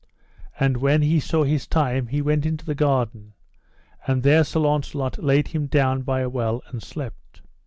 So when he saw his time he went into the garden, and there Sir Launcelot laid him down by a well and slept.